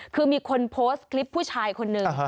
คือมีคนโพสต์คลิปผู้ชายคนหนึ่ง